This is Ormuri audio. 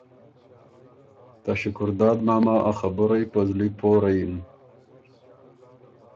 ته شکرداد ماما ا خبُرئ په زلی پوره یِن